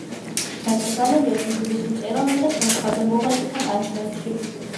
დაკრძალულია დიდუბის მწერალთა და საზოგადო მოღვაწეთა პანთეონში.